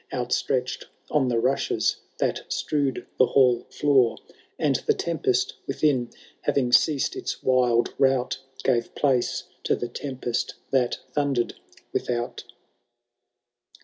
Outstretched on the rushes that strewed the hall floor ; And the tempest within, having ceased its wild rout. Gave place to the tempest that thundered without.